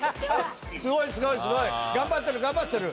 すごいすごいすごい頑張ってる頑張ってる！